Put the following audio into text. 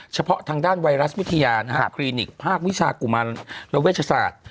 เฉพาะทางด้านไวรัสวิทยานะฮะคลินิกภาควิชากุมารและเวชศาสตร์